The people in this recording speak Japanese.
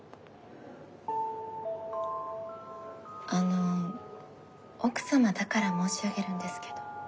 あの奥様だから申し上げるんですけど。